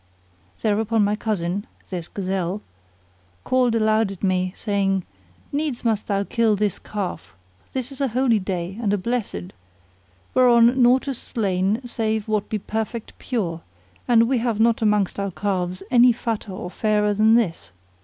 Thereupon my cousin (this gazelle) called aloud at me, saying, "Needs must thou kill this calf; this is a holy day and a blessed, whereon naught is slain save what be perfect pure; and we have not amongst our calves any fatter or fairer than this!"